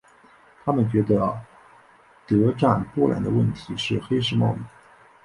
他们觉得德占波兰的问题是黑市贸易。